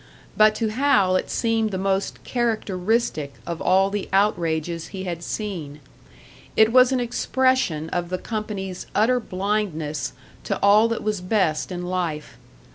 But to Hal it seemed the most characteristic of all the outrages he had seen; it was an expression of the company's utter blindness to all that was best in life.